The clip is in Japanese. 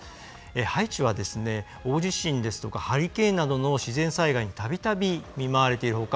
ハイチは大地震やハリケーンなどの自然災害にたびたび見舞われているほか